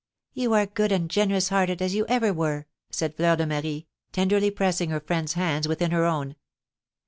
"You are good and generous hearted, as you ever were!" said Fleur de Marie, tenderly pressing her friend's hands within her own.